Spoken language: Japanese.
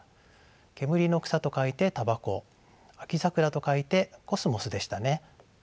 煙の草と書いて「タバコ」秋桜と書いて「コスモス」でしたね。